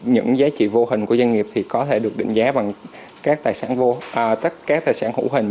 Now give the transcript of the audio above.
những giá trị vô hình của doanh nghiệp có thể được định giá bằng các tài sản hữu hình